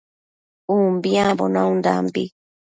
Umbiambo naundambi